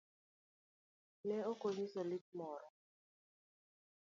Ne okonyiso lit moro.